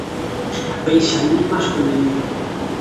Benxamín masculino.